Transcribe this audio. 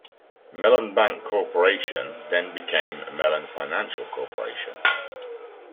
Mellon Bank Corporation then became Mellon Financial Corporation.